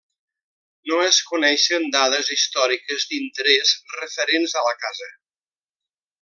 No es coneixen dades històriques d'interès referents a la casa.